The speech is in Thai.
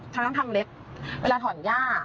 ฉันต้องทำเล็บเวลาถอนหญ้า